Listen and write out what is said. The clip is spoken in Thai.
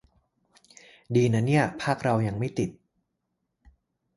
ดีนะเนี่ย ภาคเรายังไม่ติด